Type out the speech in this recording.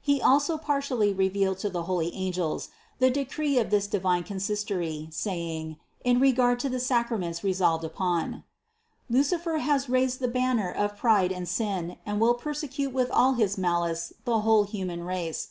He also partly revealed to the holy angels the decree of this divine consistory, saying, in regard to the sacraments resolved upon: "Lucifer has raised the banner of pride and sin and will persecute with all his malice the whole human race.